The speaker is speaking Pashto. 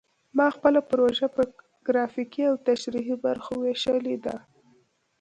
ما خپله پروژه په ګرافیکي او تشریحي برخو ویشلې ده